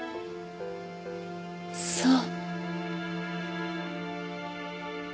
そう。